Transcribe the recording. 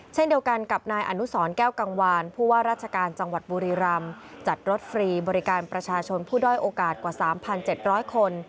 เช่นเดียวกันกับนายอนุสรแก้วกังวานผู้ว่าราชการจังหวัดบุรีรำจัดรถฟรีบริการประชาชนผู้ด้อยโอกาสกว่า๓๗๐๐คน